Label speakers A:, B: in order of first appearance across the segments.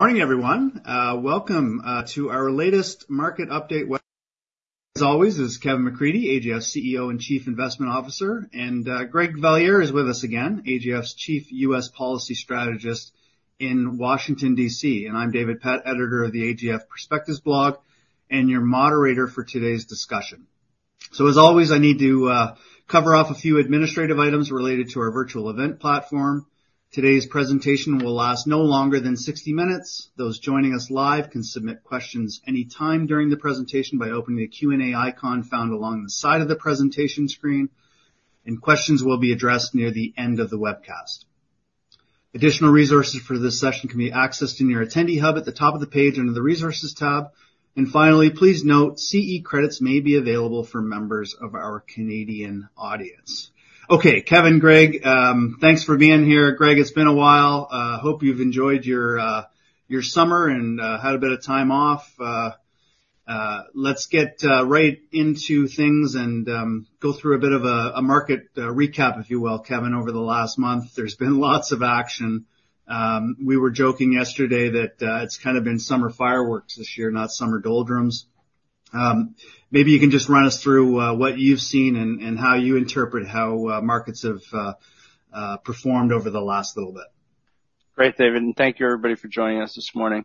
A: Morning, everyone. Welcome to our latest market update webcast. As always, this is Kevin McCreadie, AGF's CEO and Chief Investment Officer, and Greg Valliere is with us again, AGF's Chief U.S. Policy Strategist in Washington, D.C. I'm David Pett, editor of the AGF Perspectives blog and your moderator for today's discussion. As always, I need to cover off a few administrative items related to our virtual event platform. Today's presentation will last no longer than 60 minutes. Those joining us live can submit questions any time during the presentation by opening the Q&A icon found along the side of the presentation screen, and questions will be addressed near the end of the webcast. Additional resources for this session can be accessed in your attendee hub at the top of the page, under the Resources tab. Finally, please note, CE credits may be available for members of our Canadian audience. Okay, Kevin, Greg, thanks for being here. Greg, it's been a while. Hope you've enjoyed your summer and had a bit of time off. Let's get right into things and go through a bit of a market recap, if you will, Kevin, over the last month. There's been lots of action. We were joking yesterday that it's kind of been summer fireworks this year, not summer doldrums. Maybe you can just run us through what you've seen and how you interpret how markets have performed over the last little bit.
B: Great, David, and thank you, everybody, for joining us this morning.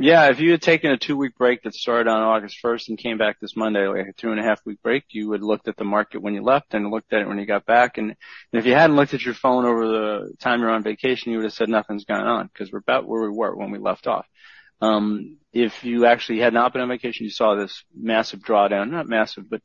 B: Yeah, if you had taken a two-week break that started on August 1st and came back this Monday, like a two-and-a-half week break, you would've looked at the market when you left and looked at it when you got back, and if you hadn't looked at your phone over the time you're on vacation, you would've said nothing's gone on, 'cause we're about where we were when we left off. If you actually had not been on vacation, you saw this massive drawdown. Not massive, but,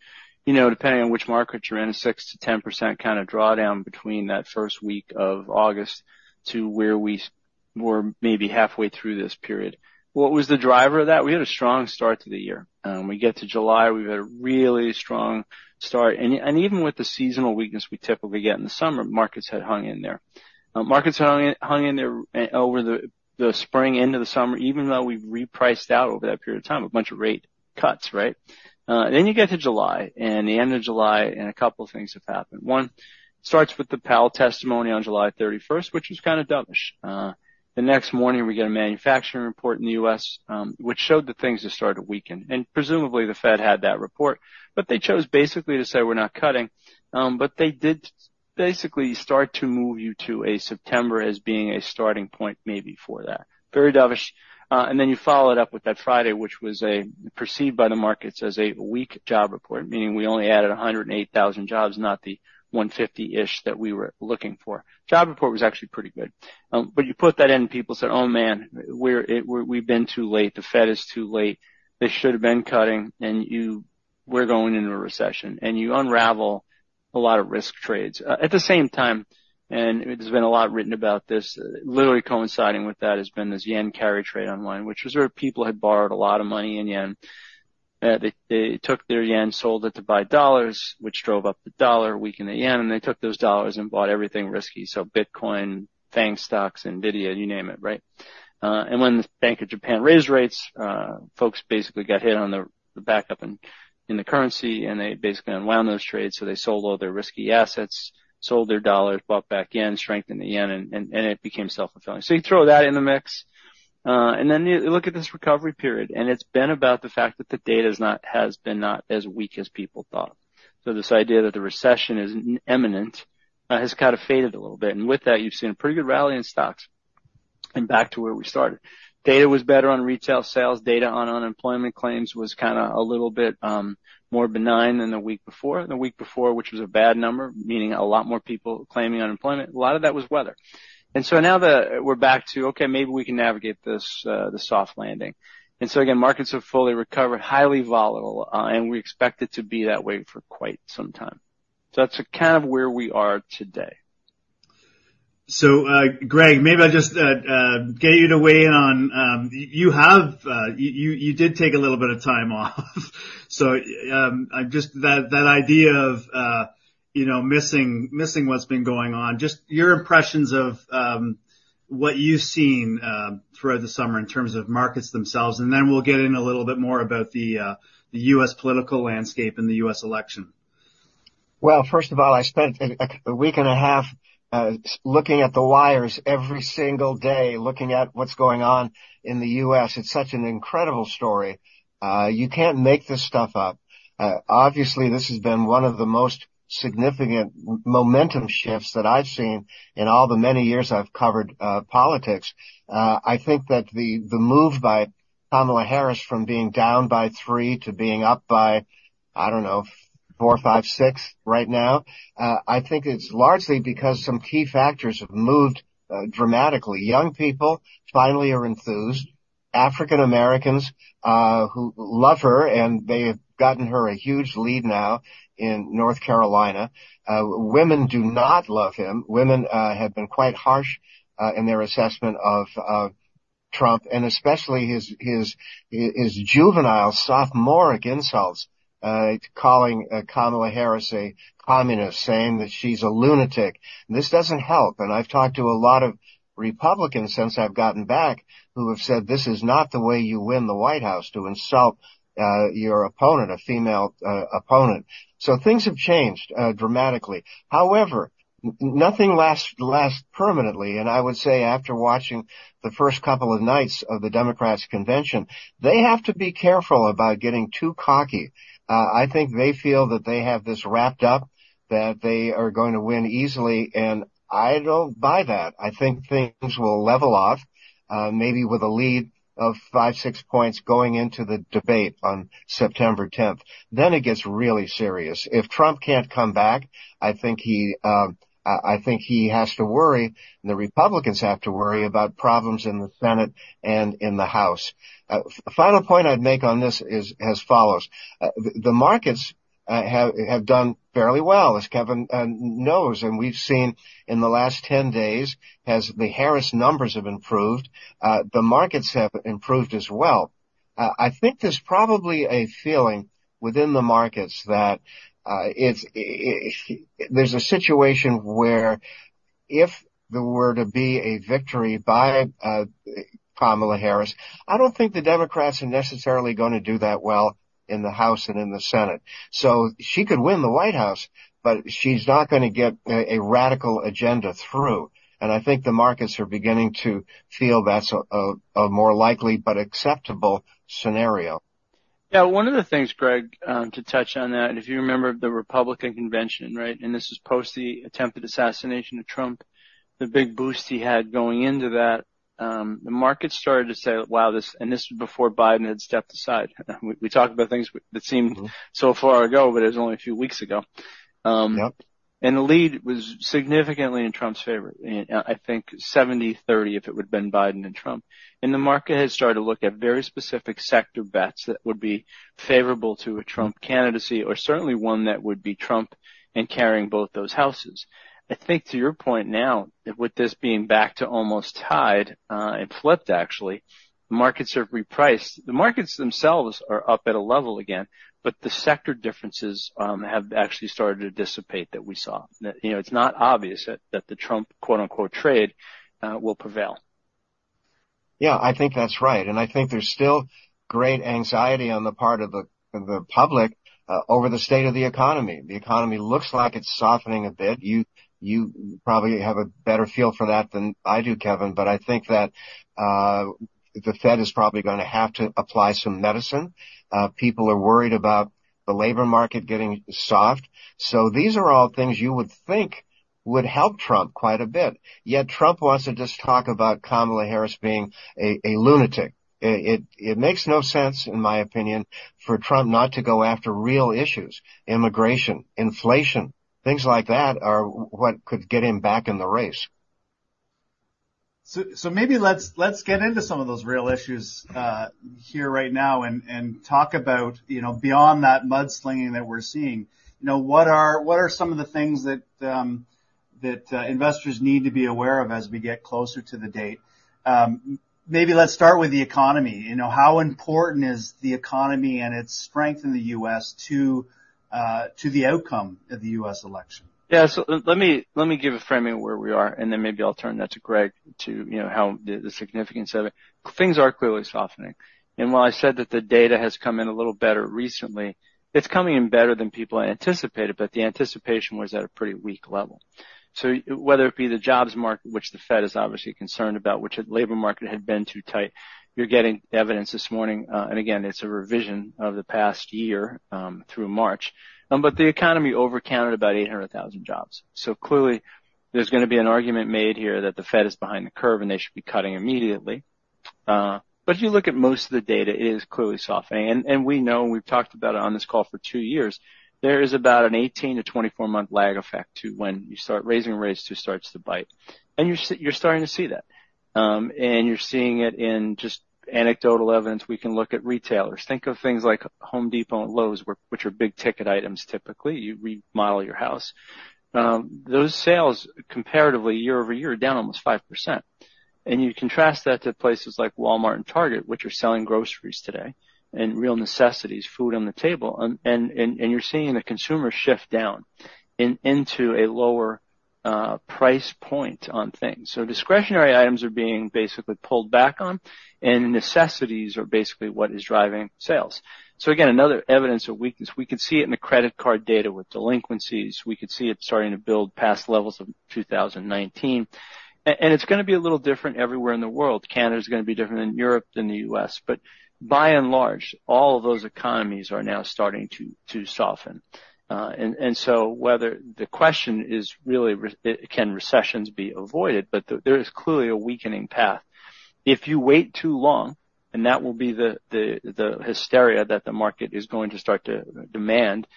B: you know, depending on which market you're in, a 6%-10% kind of drawdown between that first week of August to where we're maybe halfway through this period. What was the driver of that? We had a strong start to the year. We get to July, we've had a really strong start, and even with the seasonal weakness we typically get in the summer, markets had hung in there. Markets hung in there over the spring into the summer, even though we've repriced out over that period of time a bunch of rate cuts, right? Then you get to July, and the end of July, and a couple of things have happened. One starts with the Powell testimony on July thirty-first, which was kind of dovish. The next morning, we get a manufacturing report in the U.S., which showed that things had started to weaken, and presumably, the Fed had that report, but they chose basically to say, "We're not cutting." But they did basically start to move you to a September as being a starting point, maybe, for that. Very dovish, and then you follow it up with that Friday, which was perceived by the markets as a weak job report, meaning we only added 108,000 jobs, not the 150-ish that we were looking for. Job report was actually pretty good. But you put that in, and people said, "Oh, man, we've been too late. The Fed is too late. They should have been cutting, and we're going into a recession." And you unravel a lot of risk trades. At the same time, and there's been a lot written about this, literally coinciding with that has been this yen carry trade unwind, which was where people had borrowed a lot of money in yen. They took their yen, sold it to buy dollars, which drove up the dollar, weakened the yen, and they took those dollars and bought everything risky. So Bitcoin, FANG stocks, NVIDIA, you name it, right? And when the Bank of Japan raised rates, folks basically got hit on the backup in the currency, and they basically unwound those trades, so they sold all their risky assets, sold their dollars, bought back yen, strengthened the yen, and it became self-fulfilling. So you throw that in the mix, and then you look at this recovery period, and it's been about the fact that the data has been not as weak as people thought. This idea that the recession is imminent has kind of faded a little bit, and with that, you've seen a pretty good rally in stocks, and back to where we started. Data was better on retail sales. Data on unemployment claims was kinda a little bit more benign than the week before. The week before, which was a bad number, meaning a lot more people claiming unemployment, a lot of that was weather. And so now that we're back to, okay, maybe we can navigate this, the soft landing. And so again, markets have fully recovered, highly volatile, and we expect it to be that way for quite some time. So that's kind of where we are today.
A: So, Greg, maybe I just get you to weigh in on... You have, you did take a little bit of time off. So, just that idea of, you know, missing what's been going on, just your impressions of what you've seen throughout the summer in terms of markets themselves, and then we'll get in a little bit more about the U.S. political landscape and the U.S. election.
C: First of all, I spent a week and a half looking at the wires every single day, looking at what's going on in the U.S. It's such an incredible story. You can't make this stuff up. Obviously, this has been one of the most significant momentum shifts that I've seen in all the many years I've covered politics. I think that the move by Kamala Harris from being down by three to being up by, I don't know, four, five, six right now, I think it's largely because some key factors have moved dramatically. Young people finally are enthused. African Americans, who love her, and they have gotten her a huge lead now in North Carolina. Women do not love him. Women have been quite harsh in their assessment of Trump, and especially his juvenile, sophomoric insults, calling Kamala Harris a communist, saying that she's a lunatic. This doesn't help, and I've talked to a lot of Republicans since I've gotten back, who have said, "This is not the way you win the White House, to insult your opponent, a female opponent." So things have changed dramatically. However, nothing lasts permanently, and I would say after watching the first couple of nights of the Democrats' convention, they have to be careful about getting too cocky. I think they feel that they have this wrapped up, that they are going to win easily, and I don't buy that. I think things will level off, maybe with a lead of five, six points going into the debate on September tenth. Then it gets really serious. If Trump can't come back, I think he has to worry, and the Republicans have to worry about problems in the Senate and in the House. Final point I'd make on this is as follows: The markets have done fairly well, as Kevin knows, and we've seen in the last 10 days, as the Harris numbers have improved, the markets have improved as well. I think there's probably a feeling within the markets that there's a situation where if there were to be a victory by Kamala Harris, I don't think the Democrats are necessarily gonna do that well in the House and in the Senate, so she could win the White House, but she's not gonna get a radical agenda through, and I think the markets are beginning to feel that's a more likely but acceptable scenario.
B: Yeah, one of the things, Greg, to touch on that, if you remember the Republican convention, right? And this is post the attempted assassination of Trump, the big boost he had going into that, the market started to say, "Wow, this..." And this was before Biden had stepped aside. We talked about things that seem-
C: Mm-hmm.
B: So far ago, but it was only a few weeks ago.
C: Yep.
B: And the lead was significantly in Trump's favor, and I think 70, 30, if it would've been Biden and Trump. And the market had started to look at very specific sector bets that would be favorable to a Trump candidacy, or certainly one that would be Trump and carrying both those houses. I think, to your point now, that with this being back to almost tied, and flipped, actually, the markets have repriced. The markets themselves are up at a level again, but the sector differences have actually started to dissipate that we saw. You know, it's not obvious that the Trump, quote-unquote, trade will prevail.
C: Yeah, I think that's right, and I think there's still great anxiety on the part of the public over the state of the economy. The economy looks like it's softening a bit. You probably have a better feel for that than I do, Kevin, but I think that the Fed is probably gonna have to apply some medicine. People are worried about the labor market getting soft, so these are all things you would think would help Trump quite a bit, yet Trump wants to just talk about Kamala Harris being a lunatic. It makes no sense, in my opinion, for Trump not to go after real issues: immigration, inflation. Things like that are what could get him back in the race.
A: So maybe let's get into some of those real issues here right now and talk about, you know, beyond that mudslinging that we're seeing. You know, what are some of the things that investors need to be aware of as we get closer to the date? Maybe let's start with the economy. You know, how important is the economy and its strength in the U.S. to the outcome of the U.S. election?
B: Yeah, so let me, let me give a framing of where we are, and then maybe I'll turn that to Greg to, you know, how the significance of it. Things are clearly softening, and while I said that the data has come in a little better recently, it's coming in better than people anticipated, but the anticipation was at a pretty weak level, so whether it be the jobs market, which the Fed is obviously concerned about, which the labor market had been too tight, you're getting evidence this morning, and again, it's a revision of the past year through March, but the economy over-counted about eight hundred thousand jobs, so clearly, there's gonna be an argument made here that the Fed is behind the curve, and they should be cutting immediately. But if you look at most of the data, it is clearly softening. And we know, and we've talked about it on this call for two years, there is about an 18-24-month lag effect to when you start raising rates, to starts to bite. And you're starting to see that, and you're seeing it in just anecdotal evidence. We can look at retailers. Think of things like Home Depot and Lowe's, which are big-ticket items, typically. You remodel your house. Those sales, comparatively, year over year, down almost 5%. And you contrast that to places like Walmart and Target, which are selling groceries today and real necessities, food on the table, and you're seeing the consumer shift down into a lower price point on things. Discretionary items are being basically pulled back on, and necessities are basically what is driving sales. So again, another evidence of weakness. We could see it in the credit card data with delinquencies. We could see it starting to build past levels of 2019. And it's gonna be a little different everywhere in the world. Canada is gonna be different than Europe, than the U.S., but by and large, all of those economies are now starting to soften. And so whether... The question is really, can recessions be avoided? But there is clearly a weakening path. If you wait too long, and that will be the hysteria that the market is going to start to demand,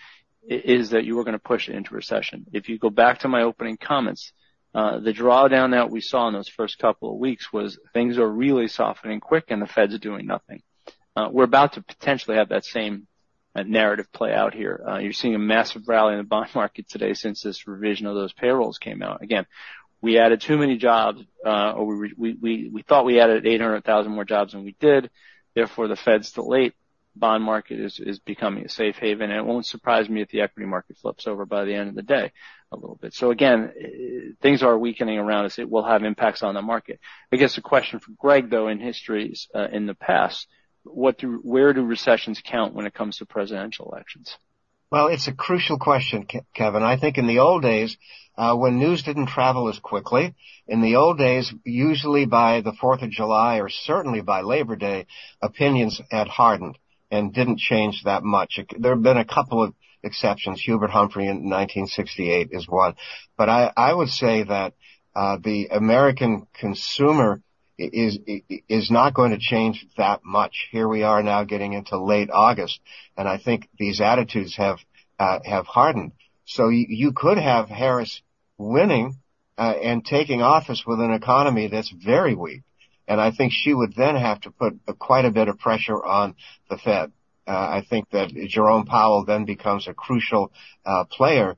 B: is that you are gonna push it into recession. If you go back to my opening comments, the drawdown that we saw in those first couple of weeks was things are really softening quick, and the Feds are doing nothing. We're about to potentially have that same narrative play out here. You're seeing a massive rally in the bond market today since this revision of those payrolls came out. Again, we added too many jobs, or we thought we added 800,000 more jobs than we did, therefore, the Fed's still late. Bond market is becoming a safe haven, and it won't surprise me if the equity market flips over by the end of the day a little bit. So again, things are weakening around us. It will have impacts on the market. I guess the question for Greg, though, in histories, in the past, where do recessions count when it comes to presidential elections?...
C: It's a crucial question, Kevin. I think in the old days, when news didn't travel as quickly, in the old days, usually by the Fourth of July, or certainly by Labor Day, opinions had hardened and didn't change that much. There have been a couple of exceptions. Hubert Humphrey in nineteen sixty-eight is one. But I would say that the American consumer is not going to change that much. Here we are now getting into late August, and I think these attitudes have hardened. So you could have Harris winning and taking office with an economy that's very weak, and I think she would then have to put quite a bit of pressure on the Fed. I think that Jerome Powell then becomes a crucial player,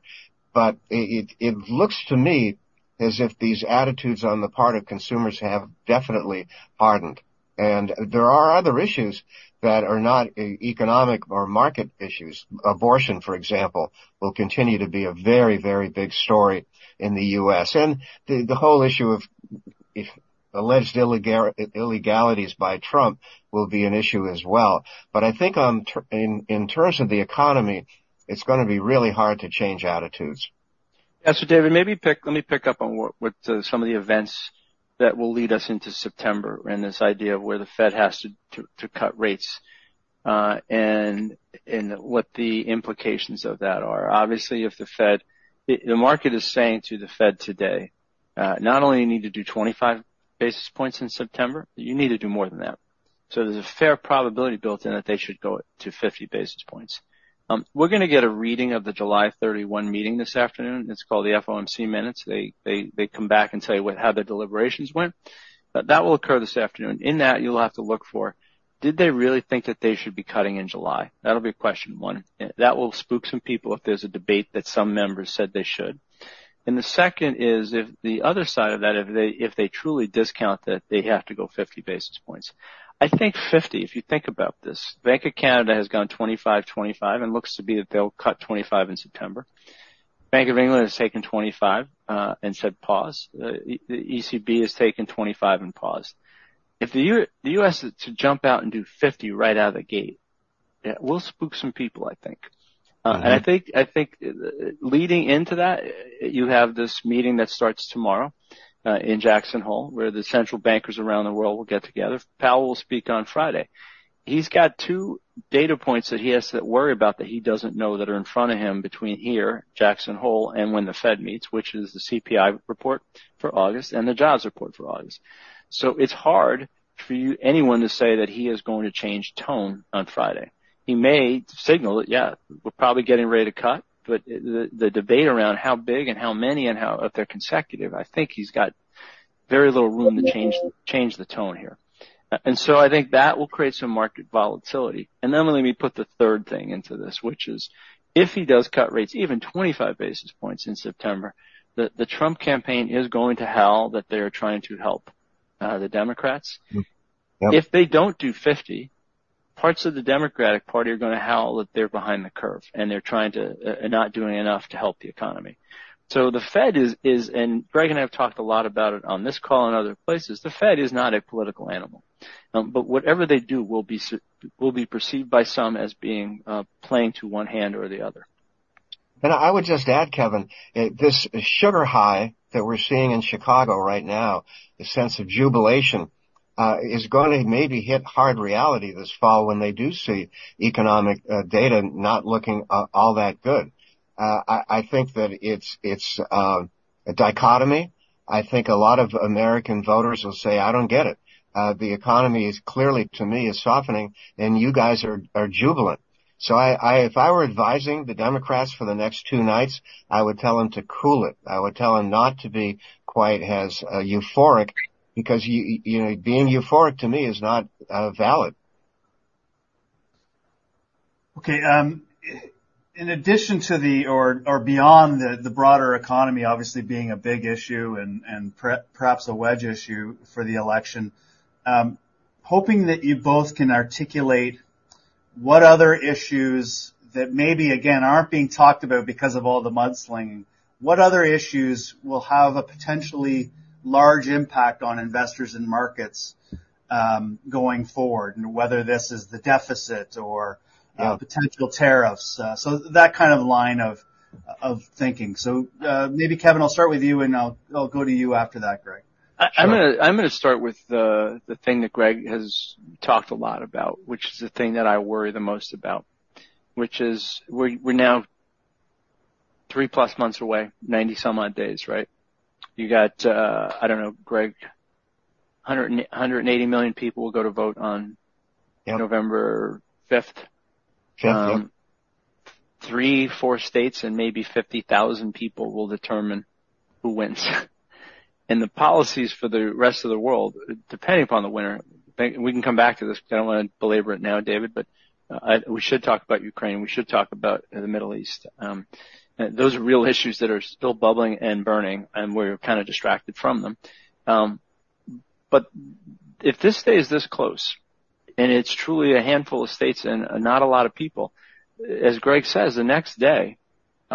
C: but it looks to me as if these attitudes on the part of consumers have definitely hardened, and there are other issues that are not economic or market issues. Abortion, for example, will continue to be a very, very big story in the U.S., and the whole issue of alleged illegalities by Trump will be an issue as well, but I think in terms of the economy, it's gonna be really hard to change attitudes.
B: And so, David, let me pick up on what some of the events that will lead us into September, and this idea of where the Fed has to cut rates, and what the implications of that are. Obviously, if the Fed... The market is saying to the Fed today, not only you need to do 25 basis points in September, you need to do more than that. So there's a fair probability built in that they should go to 50 basis points. We're gonna get a reading of the July 31 meeting this afternoon. It's called the FOMC Minutes. They come back and tell you what, how the deliberations went. But that will occur this afternoon. In that, you'll have to look for, did they really think that they should be cutting in July? That'll be question one. That will spook some people, if there's a debate that some members said they should. And the second is, if the other side of that, if they truly discount that, they have to go 50 basis points. I think 50, if you think about this, Bank of Canada has gone 25, 25, and looks to be that they'll cut 25 in September. Bank of England has taken 25 and said, "Pause." The ECB has taken 25 and paused. If the U.S. is to jump out and do 50 right out of the gate, yeah, we'll spook some people, I think.
C: Mm-hmm.
B: And I think leading into that, you have this meeting that starts tomorrow in Jackson Hole, where the central bankers around the world will get together. Powell will speak on Friday. He's got two data points that he has to worry about, that he doesn't know, that are in front of him between here, Jackson Hole, and when the Fed meets, which is the CPI report for August and the jobs report for August. So it's hard for you, anyone to say that he is going to change tone on Friday. He may signal that, "Yeah, we're probably getting ready to cut," but the debate around how big and how many and how, if they're consecutive, I think he's got very little room to change the tone here. And so I think that will create some market volatility. Let me put the third thing into this, which is, if he does cut rates, even 25 basis points in September, the Trump campaign is going to howl that they're trying to help the Democrats.
C: Mm-hmm. Yep.
B: If they don't do 50, parts of the Democratic Party are gonna howl that they're behind the curve, and they're trying to not doing enough to help the economy. So the Fed is, and Greg and I have talked a lot about it on this call and other places, the Fed is not a political animal. But whatever they do will be perceived by some as being playing to one hand or the other.
C: And I would just add, Kevin, this sugar high that we're seeing in Chicago right now, the sense of jubilation, is gonna maybe hit hard reality this fall when they do see economic data not looking all that good. I think that it's a dichotomy. I think a lot of American voters will say, "I don't get it. The economy is clearly, to me, softening, and you guys are jubilant." So I... If I were advising the Democrats for the next two nights, I would tell them to cool it. I would tell them not to be quite as euphoric, because you know, being euphoric, to me, is not valid.
A: Okay, in addition to the, or beyond the broader economy obviously being a big issue and perhaps a wedge issue for the election, hoping that you both can articulate what other issues that maybe, again, aren't being talked about because of all the mudslinging. What other issues will have a potentially large impact on investors and markets, going forward? And whether this is the deficit or,
C: Yeah...
A: potential tariffs, so that kind of line of thinking. So, maybe, Kevin, I'll start with you, and I'll go to you after that, Greg.
B: I'm gonna start with the thing that Greg has talked a lot about, which is the thing that I worry the most about, which is we're now three-plus months away, ninety-some odd days, right? You got, I don't know, Greg, hundred and eighty million people will go to vote on-
C: Yep...
B: November 5th.
C: Sure.
B: Three, four states, and maybe 50,000 people will determine who wins. The policies for the rest of the world, depending upon the winner, we can come back to this, because I don't want to belabor it now, David, but we should talk about Ukraine, we should talk about the Middle East. Those are real issues that are still bubbling and burning, and we're kind of distracted from them, but if this stays this close, and it's truly a handful of states and not a lot of people, as Greg says, the next day,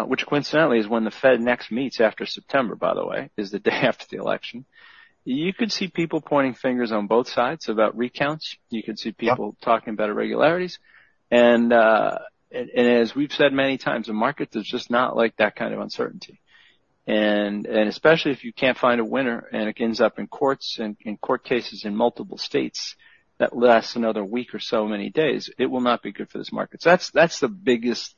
B: which coincidentally is when the Fed next meets after September, by the way, is the day after the election. You could see people pointing fingers on both sides about recounts. You could see people talking about irregularities. And as we've said many times, the market does just not like that kind of uncertainty. And especially if you can't find a winner, and it ends up in courts, and in court cases in multiple states that lasts another week or so many days, it will not be good for this market. So that's the biggest...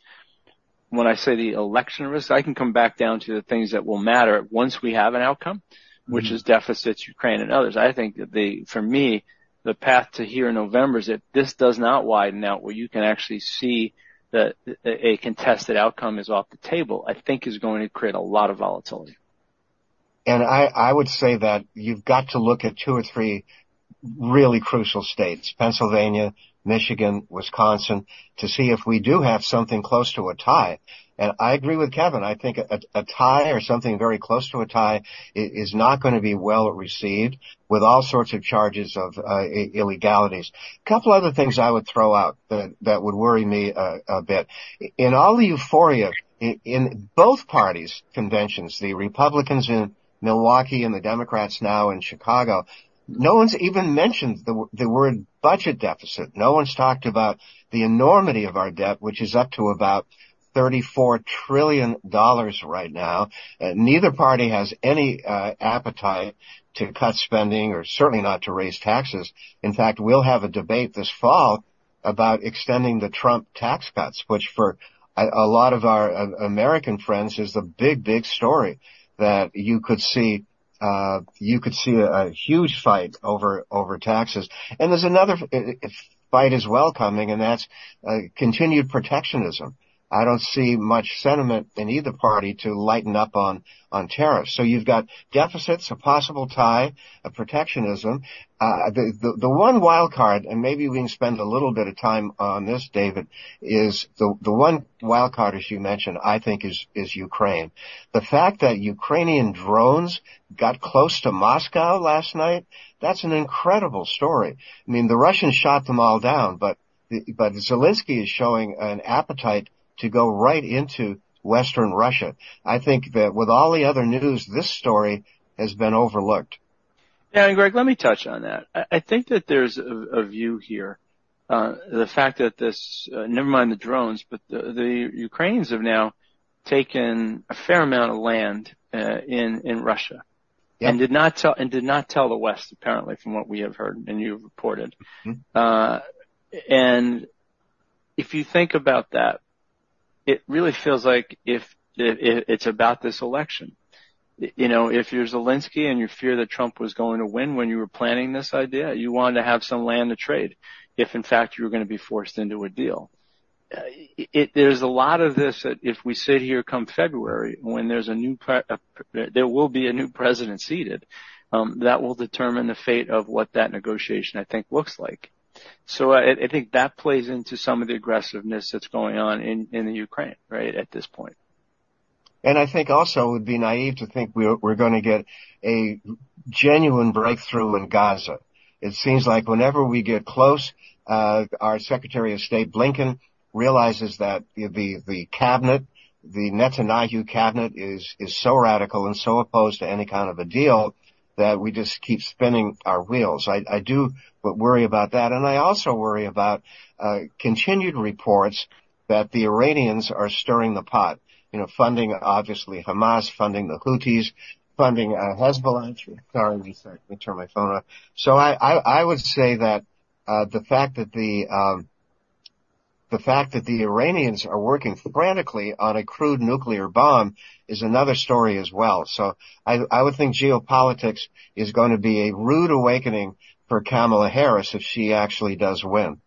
B: When I say the election risk, I can come back down to the things that will matter once we have an outcome-
C: Mm-hmm.
B: which is deficits, Ukraine and others. I think that, for me, the path to Harris in November is if this does not widen out, where you can actually see that a contested outcome is off the table, I think is going to create a lot of volatility.
C: And I would say that you've got to look at two or three really crucial states, Pennsylvania, Michigan, Wisconsin, to see if we do have something close to a tie. And I agree with Kevin. I think a tie or something very close to a tie is not gonna be well received, with all sorts of charges of illegalities. Couple other things I would throw out that would worry me a bit. In all the euphoria, in both parties' conventions, the Republicans in Milwaukee and the Democrats now in Chicago, no one's even mentioned the word budget deficit. No one's talked about the enormity of our debt, which is up to about $34 trillion right now. Neither party has any appetite to cut spending or certainly not to raise taxes. In fact, we'll have a debate this fall about extending the Trump tax cuts, which for a lot of our American friends, is the big, big story that you could see, a huge fight over taxes, and there's another fight as well coming, and that's continued protectionism. I don't see much sentiment in either party to lighten up on tariffs, so you've got deficits, a possible tie, protectionism. The one wild card, and maybe we can spend a little bit of time on this, David, is the one wild card, as you mentioned, I think is Ukraine. The fact that Ukrainian drones got close to Moscow last night, that's an incredible story. I mean, the Russians shot them all down, but Zelenskyy is showing an appetite to go right into western Russia. I think that with all the other news, this story has been overlooked.
B: Yeah, and Greg, let me touch on that. I think that there's a view here, the fact that this... Never mind the drones, but the Ukrainians have now taken a fair amount of land in Russia-
C: Yeah...
B: and did not tell the West, apparently, from what we have heard and you've reported.
C: Mm-hmm.
B: And if you think about that, it really feels like if it's about this election. You know, if you're Zelenskyy and you fear that Trump was going to win when you were planning this idea, you wanted to have some land to trade, if in fact, you were gonna be forced into a deal. There's a lot of this that if we sit here come February, when there's a new president seated, that will determine the fate of what that negotiation, I think, looks like, so I think that plays into some of the aggressiveness that's going on in the Ukraine, right, at this point.
C: I think also it would be naive to think we're gonna get a genuine breakthrough in Gaza. It seems like whenever we get close, our Secretary of State, Blinken, realizes that the cabinet, the Netanyahu cabinet is so radical and so opposed to any kind of a deal, that we just keep spinning our wheels. I do but worry about that, and I also worry about continued reports that the Iranians are stirring the pot, you know, funding, obviously, Hamas, funding the Houthis, funding Hezbollah. Sorry, let me turn my phone off. I would say that the fact that the Iranians are working frantically on a crude nuclear bomb is another story as well. So I would think geopolitics is gonna be a rude awakening for Kamala Harris, if she actually does win.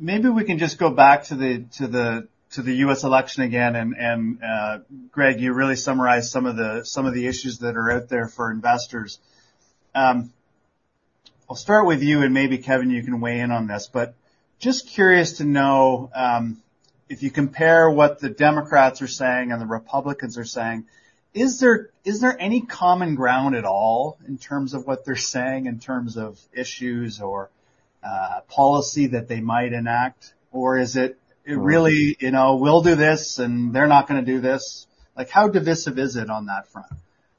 A: Maybe we can just go back to the U.S. election again. Greg, you really summarized some of the issues that are out there for investors. I'll start with you, and maybe Kevin, you can weigh in on this, but just curious to know if you compare what the Democrats are saying and the Republicans are saying, is there any common ground at all in terms of what they're saying, in terms of issues or policy that they might enact? Or is it really, you know, we'll do this and they're not gonna do this? Like, how divisive is it on that front?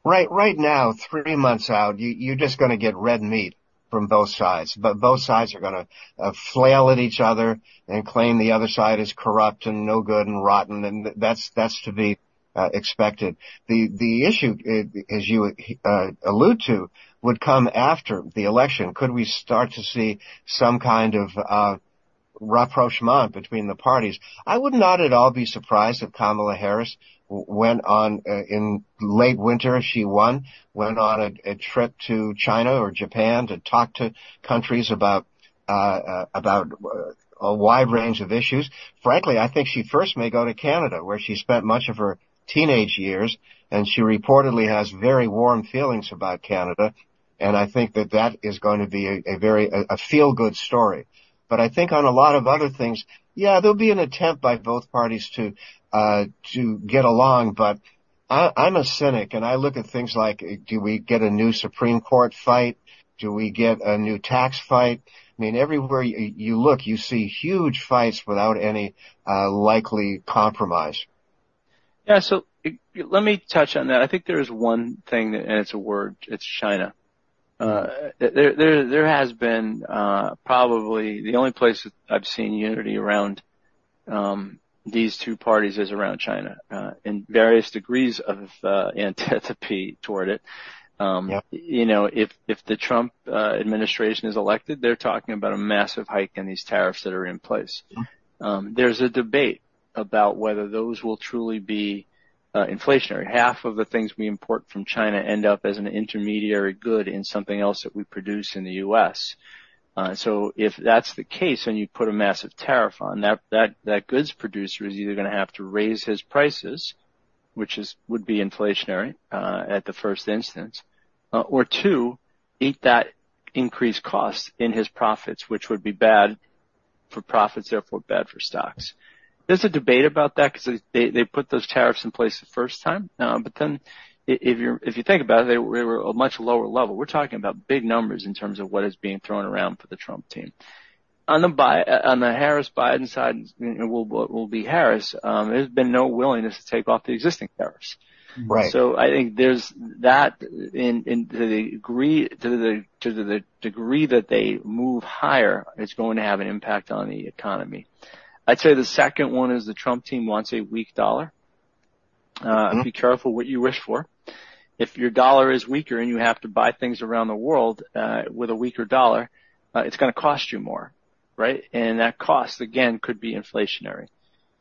C: Right, right now, three months out, you, you're just gonna get red meat from both sides. But both sides are gonna flail at each other and claim the other side is corrupt and no good and rotten, and that's, that's to be expected. The issue, as you allude to, would come after the election. Could we start to see some kind of rapprochement between the parties? I would not at all be surprised if Kamala Harris went on, in late winter, she won, went on a trip to China or Japan to talk to countries about a wide range of issues. Frankly, I think she first may go to Canada, where she spent much of her teenage years, and she reportedly has very warm feelings about Canada. And I think that is going to be a very feel-good story. But I think on a lot of other things, yeah, there'll be an attempt by both parties to get along, but I'm a cynic, and I look at things like, do we get a new Supreme Court fight? Do we get a new tax fight? I mean, everywhere you look, you see huge fights without any likely compromise.
B: Yeah, so let me touch on that. I think there is one thing, and it's a word, it's China. There has been probably the only place that I've seen unity around these two parties is around China, in various degrees of antipathy toward it.
C: Yep.
B: You know, if the Trump administration is elected, they're talking about a massive hike in these tariffs that are in place.
C: Mm-hmm.
B: There's a debate about whether those will truly be inflationary. Half of the things we import from China end up as an intermediary good in something else that we produce in the US. So if that's the case, and you put a massive tariff on that goods producer is either gonna have to raise his prices, which would be inflationary at the first instance, or two, eat that increased cost in his profits, which would be bad for profits, therefore bad for stocks. There's a debate about that, 'cause they put those tariffs in place the first time. But then if you think about it, they were a much lower level. We're talking about big numbers in terms of what is being thrown around for the Trump team. On the Harris-Biden side, you know, what will be Harris, there's been no willingness to take off the existing tariffs.
C: Right.
B: So I think there's that, and to the degree that they move higher, it's going to have an impact on the economy. I'd say the second one is the Trump team wants a weak dollar.
C: Mm-hmm.
B: Be careful what you wish for. If your dollar is weaker and you have to buy things around the world, with a weaker dollar, it's gonna cost you more, right? And that cost, again, could be inflationary.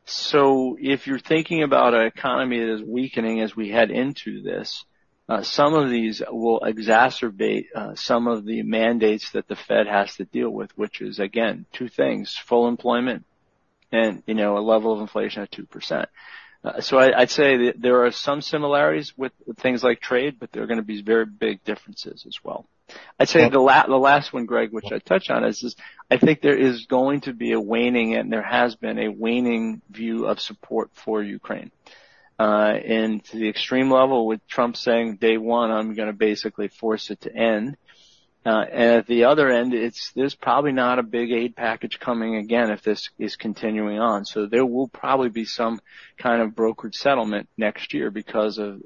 B: So if you're thinking about an economy that is weakening as we head into this, some of these will exacerbate some of the mandates that the Fed has to deal with, which is, again, two things: full employment and, you know, a level of inflation at 2%. So I, I'd say that there are some similarities with things like trade, but there are gonna be very big differences as well.
C: Yep.
B: I'd say the last one, Greg, which I touched on, is just I think there is going to be a waning, and there has been a waning view of support for Ukraine. And to the extreme level, with Trump saying, "Day one, I'm gonna basically force it to end." And at the other end, there's probably not a big aid package coming again, if this is continuing on. So there will probably be some kind of brokered settlement next year because of,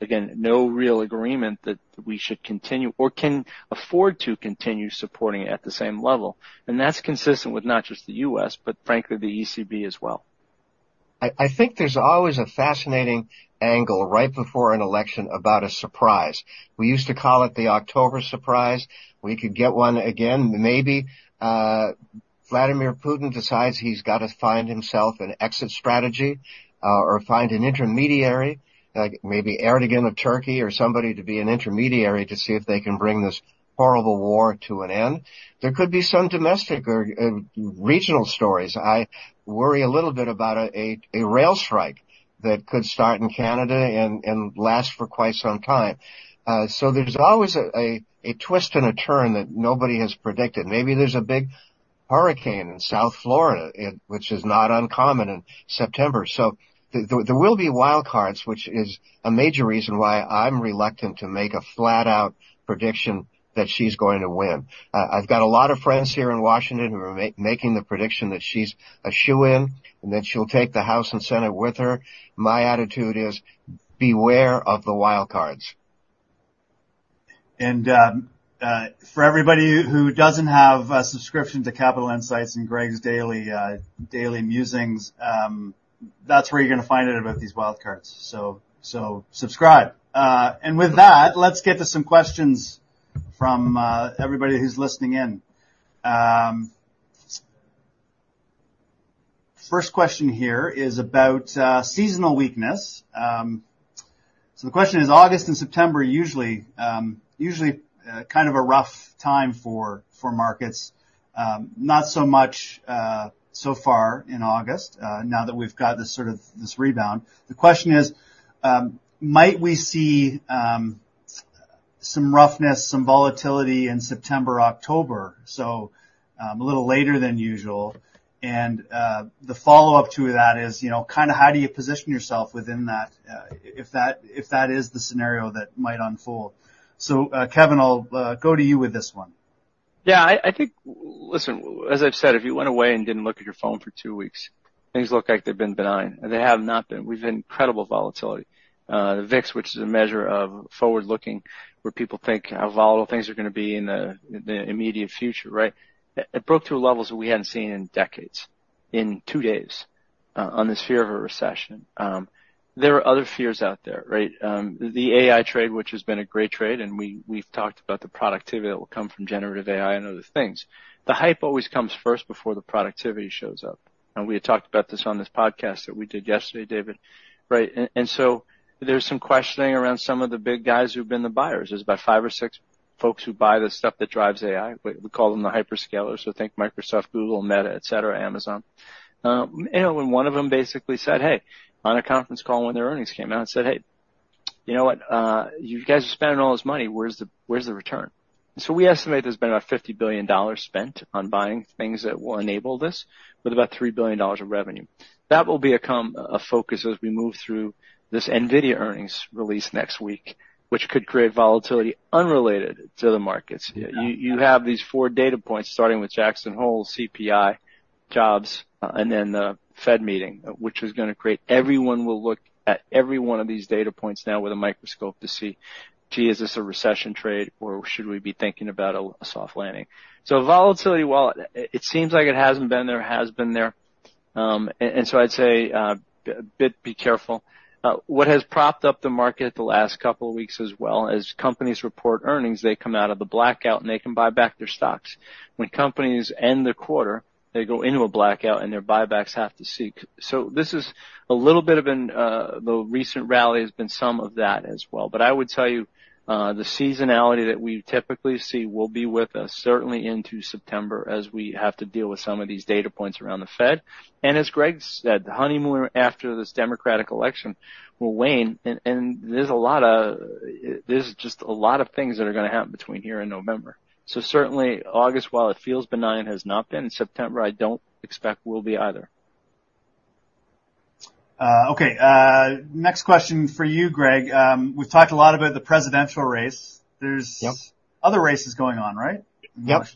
B: again, no real agreement that we should continue or can afford to continue supporting at the same level. And that's consistent with not just the U.S., but frankly, the ECB as well.
C: I think there's always a fascinating angle right before an election about a surprise. We used to call it the October surprise. We could get one again. Maybe Vladimir Putin decides he's got to find himself an exit strategy or find an intermediary, like maybe Erdogan of Turkey or somebody, to be an intermediary to see if they can bring this horrible war to an end. There could be some domestic or regional stories. I worry a little bit about a rail strike that could start in Canada and last for quite some time. So there's always a twist and a turn that nobody has predicted. Maybe there's a big hurricane in South Florida, which is not uncommon in September. So there will be wild cards, which is a major reason why I'm reluctant to make a flat-out prediction that she's going to win. I've got a lot of friends here in Washington who are making the prediction that she's a shoo-in, and that she'll take the House and Senate with her. My attitude is: beware of the wild cards.
A: For everybody who doesn't have a subscription to Capitol Insights and Greg's daily musings, that's where you're gonna find out about these wild cards. Subscribe. With that, let's get to some questions from everybody who's listening in. First question here is about seasonal weakness. The question is, August and September are usually kind of a rough time for markets, not so much so far in August, now that we've got this sort of rebound. The question is: Might we see some roughness, some volatility in September, October, so a little later than usual? The follow-up to that is, you know, kind of how do you position yourself within that, if that is the scenario that might unfold? So, Kevin, I'll go to you with this one.
B: Yeah, I think. Listen, as I've said, if you went away and didn't look at your phone for two weeks, things look like they've been benign, and they have not been. We've had incredible volatility. The VIX, which is a measure of forward-looking, where people think how volatile things are gonna be in the immediate future, right? It broke through levels that we hadn't seen in decades, in two days, on this fear of a recession. There are other fears out there, right? The AI trade, which has been a great trade, and we've talked about the productivity that will come from generative AI and other things. The hype always comes first before the productivity shows up, and we had talked about this on this podcast that we did yesterday, David, right? So there's some questioning around some of the big guys who've been the buyers. There's about five or six folks who buy the stuff that drives AI. We call them the hyperscalers, so think Microsoft, Google, Meta, et cetera, Amazon. You know, and one of them basically said, "Hey," on a conference call when their earnings came out, and said, "Hey... You know what? You guys are spending all this money, where's the, where's the return?" So we estimate there's been about $50 billion spent on buying things that will enable this, with about $3 billion of revenue. That will become a focus as we move through this NVIDIA earnings release next week, which could create volatility unrelated to the markets. You have these four data points, starting with Jackson Hole, CPI, jobs, and then the Fed meeting, which is gonna create. Everyone will look at every one of these data points now with a microscope to see, gee, is this a recession trade, or should we be thinking about a soft landing? So volatility, while it seems like it hasn't been there, has been there. And so I'd say a bit, be careful. What has propped up the market the last couple of weeks as well, as companies report earnings, they come out of the blackout, and they can buy back their stocks. When companies end their quarter, they go into a blackout, and their buybacks have to cease. So this is a little bit of an. The recent rally has been some of that as well. But I would tell you, the seasonality that we typically see will be with us certainly into September, as we have to deal with some of these data points around the Fed. And as Greg said, the honeymoon after this Democratic election will wane, and there's a lot of... There's just a lot of things that are gonna happen between here and November. So certainly August, while it feels benign, has not been. September, I don't expect will be either.
A: Okay, next question for you, Greg. We've talked a lot about the presidential race. There's-
C: Yep.
A: other races going on, right?
C: Yep.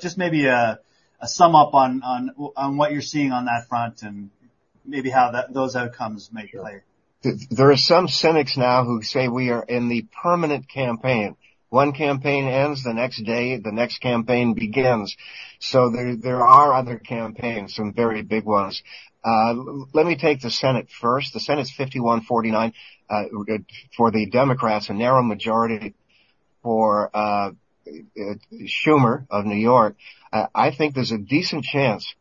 A: Just maybe a sum up on what you're seeing on that front and maybe how those outcomes may play.
C: There are some cynics now who say we are in the permanent campaign. One campaign ends, the next day, the next campaign begins. So there are other campaigns, some very big ones. Let me take the Senate first. The Senate's 51-49 for the Democrats, a narrow majority for Schumer of New York. I think there's a decent chance,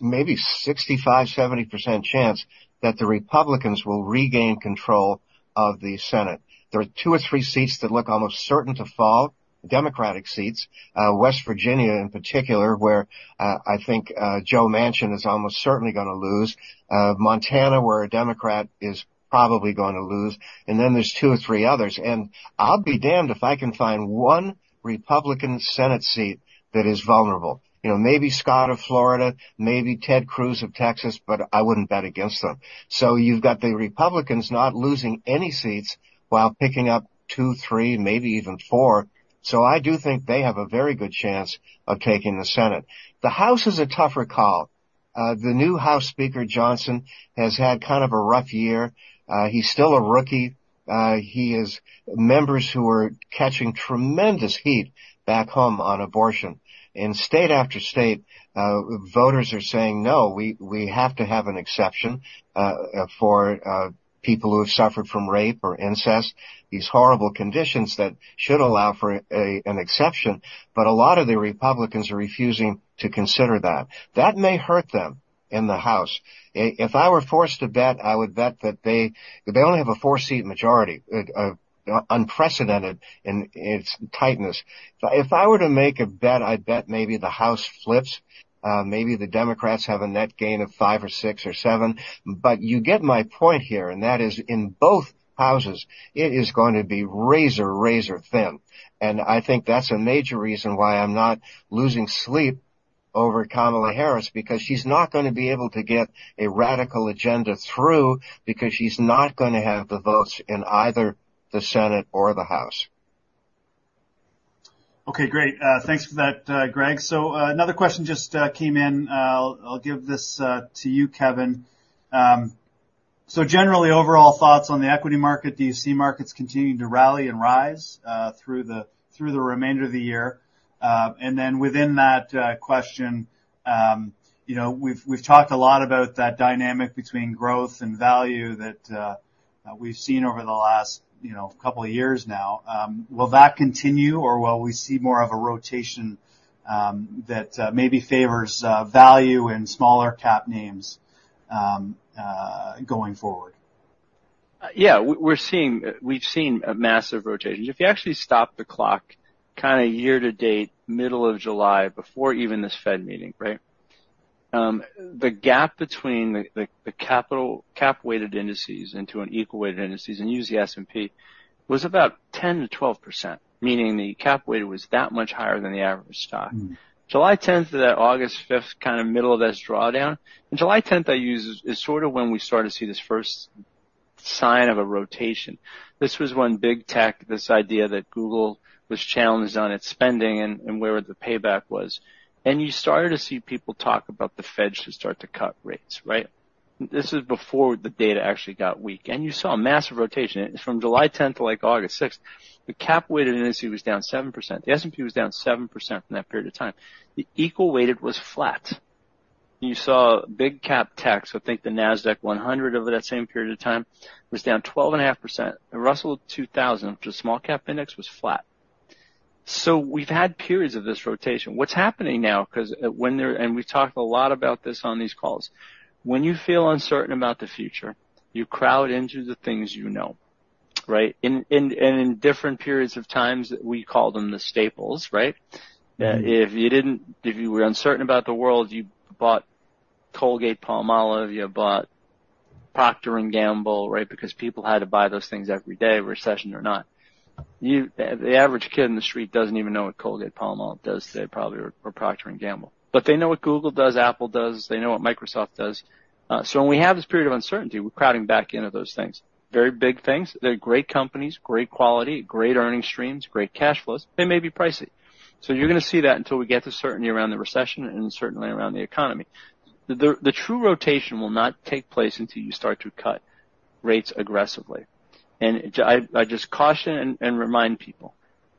C: maybe 65%-70% chance, that the Republicans will regain control of the Senate. There are two or three seats that look almost certain to fall, Democratic seats. West Virginia, in particular, where I think Joe Manchin is almost certainly gonna lose. Montana, where a Democrat is probably gonna lose, and then there's two or three others. I'll be damned if I can find one Republican Senate seat that is vulnerable. You know, maybe Rick Scott of Florida, maybe Ted Cruz of Texas, but I wouldn't bet against them. So you've got the Republicans not losing any seats while picking up two, three, maybe even four. So I do think they have a very good chance of taking the Senate. The House is a tougher call. The new House Speaker, Mike Johnson, has had kind of a rough year. He's still a rookie. He has members who are catching tremendous heat back home on abortion. In state after state, voters are saying, "No, we have to have an exception for people who have suffered from rape or incest," these horrible conditions that should allow for an exception, but a lot of the Republicans are refusing to consider that. That may hurt them in the House. If I were forced to bet, I would bet that they only have a four-seat majority, unprecedented in its tightness. If I were to make a bet, I'd bet maybe the House flips, maybe the Democrats have a net gain of five or six or seven. But you get my point here, and that is, in both Houses, it is going to be razor, razor thin. And I think that's a major reason why I'm not losing sleep over Kamala Harris, because she's not gonna be able to get a radical agenda through, because she's not gonna have the votes in either the Senate or the House.
A: Okay, great. Thanks for that, Greg. So, another question just came in. I'll give this to you, Kevin. So generally, overall thoughts on the equity market, do you see markets continuing to rally and rise through the remainder of the year? And then within that question, you know, we've talked a lot about that dynamic between growth and value that we've seen over the last, you know, couple of years now. Will that continue, or will we see more of a rotation that maybe favors value and smaller cap names going forward?
B: Yeah, we're seeing... We've seen a massive rotation. If you actually stop the clock, kinda year to date, middle of July, before even this Fed meeting, right? The gap between the cap-weighted indices and equal-weighted indices, and use the S&P, was about 10%-12%, meaning the cap weight was that much higher than the average stock.
A: Mm-hmm.
B: July tenth to that August fifth, kinda middle of this drawdown, and July tenth I use is sorta when we started to see this first sign of a rotation. This was when big tech, this idea that Google was challenged on its spending and where the payback was, and you started to see people talk about the Fed to start to cut rates, right? This is before the data actually got weak, and you saw a massive rotation. From July tenth to, like, August sixth, the cap-weighted industry was down 7%. The S&P was down 7% in that period of time. The equal weighted was flat. You saw big cap tech, so I think the Nasdaq 100 over that same period of time was down 12.5%. Russell 2000, which is a small cap index, was flat. We've had periods of this rotation. What's happening now, 'cause when there and we've talked a lot about this on these calls. When you feel uncertain about the future, you crowd into the things you know, right? In different periods of times, we call them the staples, right?
A: Mm-hmm.
B: If you were uncertain about the world, you bought Colgate-Palmolive, you bought Procter & Gamble, right? Because people had to buy those things every day, recession or not. The average kid in the street doesn't even know what Colgate-Palmolive does, they probably or Procter & Gamble. But they know what Google does, Apple does, they know what Microsoft does. So when we have this period of uncertainty, we're crowding back into those things. Very big things. They're great companies, great quality, great earning streams, great cash flows. They may be pricey. So you're gonna see that until we get to certainty around the recession and certainly around the economy. The true rotation will not take place until you start to cut rates aggressively. I just caution and remind people,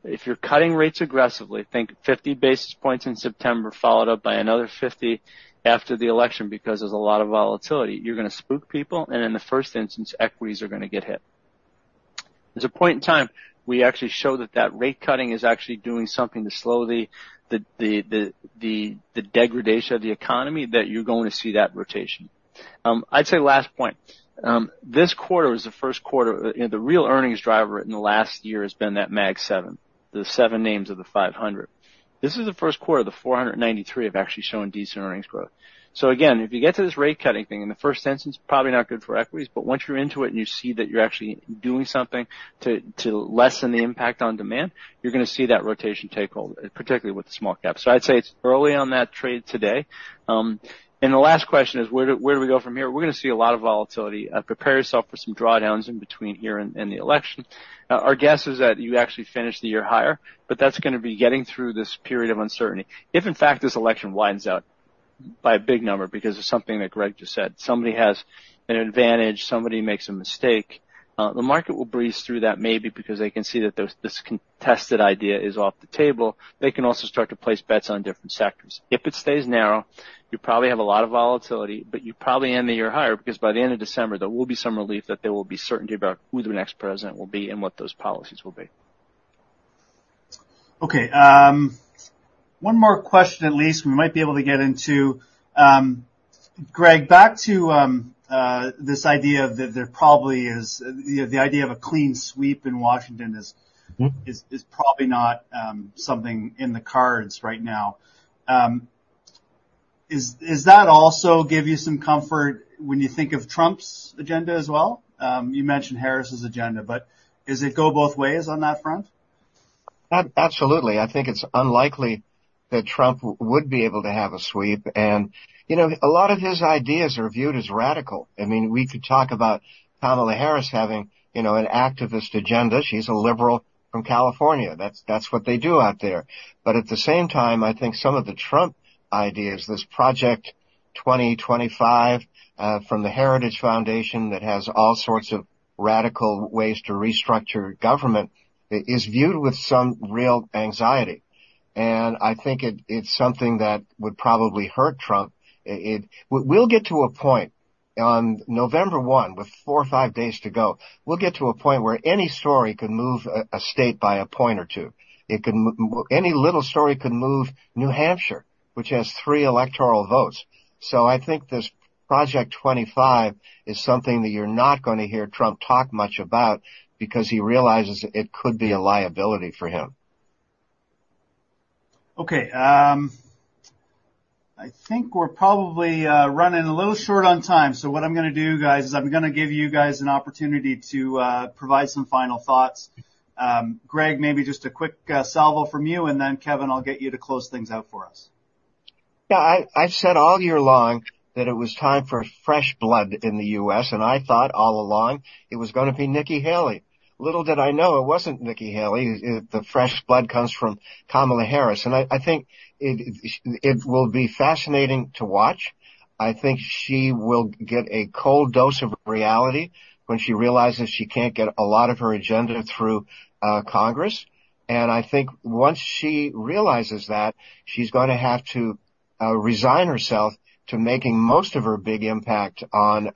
B: if you're cutting rates aggressively, think 50 basis points in September, followed up by another 50 after the election, because there's a lot of volatility. You're gonna spook people, and in the first instance, equities are gonna get hit. There's a point in time, we actually show that that rate cutting is actually doing something to slow the degradation of the economy, that you're going to see that rotation. I'd say last point. You know, the real earnings driver in the last year has been that Mag Seven, the seven names of the 500. This is the first quarter the 493 have actually shown decent earnings growth. So again, if you get to this rate cutting thing, in the first instance, probably not good for equities, but once you're into it and you see that you're actually doing something to lessen the impact on demand, you're gonna see that rotation take hold, particularly with the small caps. I'd say it's early on that trade today. And the last question is, where do we go from here? We're gonna see a lot of volatility. Prepare yourself for some drawdowns in between here and the election. Our guess is that you actually finish the year higher, but that's gonna be getting through this period of uncertainty. If, in fact, this election winds up by a big number, because of something that Greg just said, somebody has an advantage, somebody makes a mistake, the market will breeze through that, maybe because they can see that this contested idea is off the table. They can also start to place bets on different sectors. If it stays narrow, you probably have a lot of volatility, but you probably end the year higher, because by the end of December, there will be some relief, that there will be certainty about who the next president will be and what those policies will be.
A: Okay, one more question at least we might be able to get into. Greg, back to this idea of that there probably is, you know, the idea of a clean sweep in Washington is-
B: Mm-hmm...
A: is probably not something in the cards right now. Does that also give you some comfort when you think of Trump's agenda as well? You mentioned Harris' agenda, but does it go both ways on that front?
C: Absolutely. I think it's unlikely that Trump would be able to have a sweep. And, you know, a lot of his ideas are viewed as radical. I mean, we could talk about Kamala Harris having, you know, an activist agenda. She's a liberal from California. That's what they do out there. But at the same time, I think some of the Trump ideas, this Project 2025 from the Heritage Foundation, that has all sorts of radical ways to restructure government, is viewed with some real anxiety. And I think it, it's something that would probably hurt Trump. It... We'll get to a point on November one, with four or five days to go, we'll get to a point where any story can move a state by a point or two. It can be any little story can move New Hampshire, which has three electoral votes. So I think this Project 2025 is something that you're not gonna hear Trump talk much about, because he realizes it could be a liability for him.
A: Okay, I think we're probably running a little short on time. So what I'm gonna do, guys, is I'm gonna give you guys an opportunity to provide some final thoughts. Greg, maybe just a quick salvo from you, and then, Kevin, I'll get you to close things out for us.
C: Yeah, I've said all year long that it was time for fresh blood in the U.S., and I thought all along it was gonna be Nikki Haley. Little did I know, it wasn't Nikki Haley. It, the fresh blood comes from Kamala Harris, and I think it will be fascinating to watch. I think she will get a cold dose of reality when she realizes she can't get a lot of her agenda through Congress. And I think once she realizes that, she's gonna have to resign herself to making most of her big impact on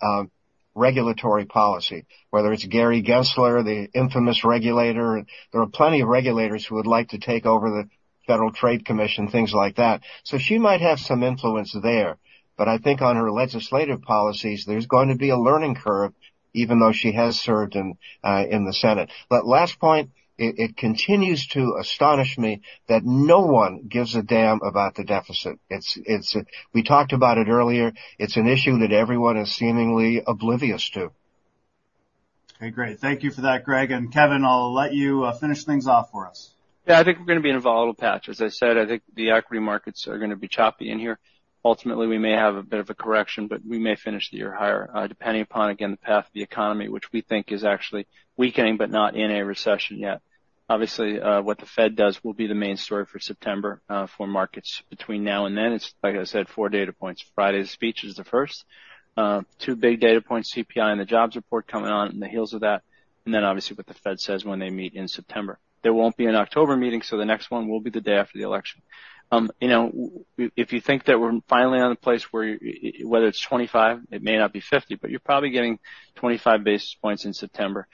C: regulatory policy, whether it's Gary Gensler, the infamous regulator. There are plenty of regulators who would like to take over the Federal Trade Commission, things like that. She might have some influence there, but I think on her legislative policies, there's going to be a learning curve, even though she has served in the Senate. But last point, it continues to astonish me that no one gives a damn about the deficit. It's. We talked about it earlier. It's an issue that everyone is seemingly oblivious to.
A: Okay, great. Thank you for that, Greg. And, Kevin, I'll let you finish things off for us.
B: Yeah, I think we're gonna be in a volatile patch. As I said, I think the equity markets are gonna be choppy in here. Ultimately, we may have a bit of a correction, but we may finish the year higher, depending upon, again, the path of the economy, which we think is actually weakening, but not in a recession yet. Obviously, what the Fed does will be the main story for September, for markets between now and then. It's, like I said, four data points. Friday's speech is the first. Two big data points, CPI and the jobs report, coming out on the heels of that, and then obviously what the Fed says when they meet in September. There won't be an October meeting, so the next one will be the day after the election. You know, if you think that we're finally in a place where whether it's twenty-five, it may not be fifty, but you're probably getting twenty-five basis points in September.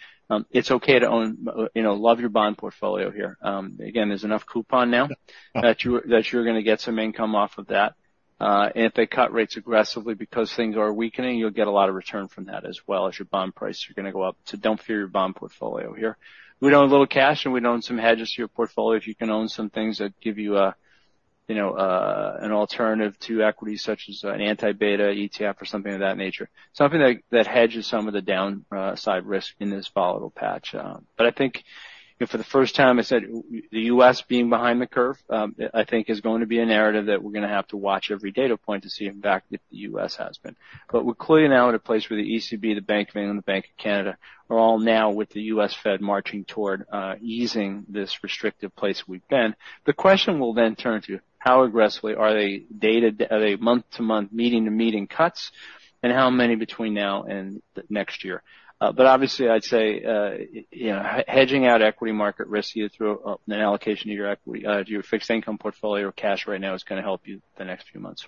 B: It's okay to own, you know... Love your bond portfolio here. Again, there's enough coupon now that you, that you're gonna get some income off of that. And if they cut rates aggressively because things are weakening, you'll get a lot of return from that, as well, as your bond prices are gonna go up, so don't fear your bond portfolio here. We own a little cash, and we'd own some hedges to your portfolio, if you can own some things that give you a, you know, an alternative to equities, such as an anti-beta ETF or something of that nature. Something that hedges some of the downside risk in this volatile patch. But I think, you know, for the first time, I said, the U.S. being behind the curve, I think is going to be a narrative that we're gonna have to watch every data point to see, in fact, that the U.S. has been. But we're clearly now at a place where the ECB, the Bank of England, the Bank of Canada, are all now with the U.S. Fed marching toward easing this restrictive place we've been. The question will then turn to: How aggressively are they going to at a month-to-month, meeting-to-meeting cuts, and how many between now and next year? But obviously, I'd say, you know, hedging out equity market risk through an allocation of your equity, your fixed income portfolio or cash right now is gonna help you the next few months.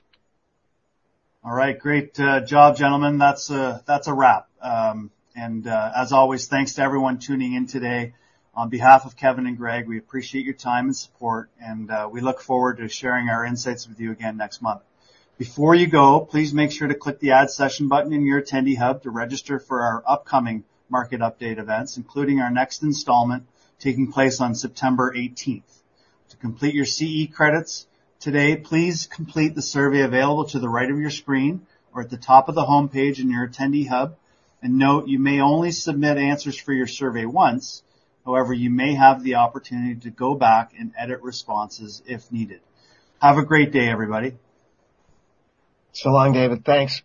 A: All right. Great, job, gentlemen. That's a wrap. As always, thanks to everyone tuning in today. On behalf of Kevin and Greg, we appreciate your time and support, and we look forward to sharing our insights with you again next month. Before you go, please make sure to click the Add Session button in your Attendee Hub to register for our upcoming market update events, including our next installment, taking place on September eighteenth. To complete your CE credits today, please complete the survey available to the right of your screen or at the top of the homepage in your Attendee Hub. Note, you may only submit answers for your survey once. However, you may have the opportunity to go back and edit responses if needed. Have a great day, everybody.
C: So long, David. Thanks.